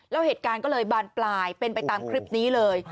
แล้วเหตุการณ์ก็เลยบานปลายเป็นไปตามคลิปนี้เลย